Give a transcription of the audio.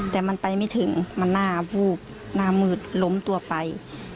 แต่มันไปไม่ถึงมันหน้าวูบหน้ามืดล้มตัวไป